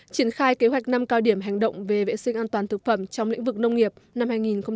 triển khai kế hoạch năm cao điểm hành động về vệ sinh an toàn thực phẩm trong lĩnh vực nông nghiệp năm hai nghìn hai mươi